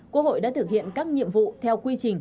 quốc hội đã thực hiện các nhiệm vụ theo quy trình